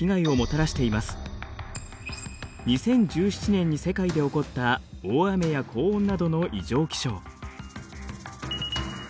２０１７年に世界で起こった大雨や高温などの異常気象。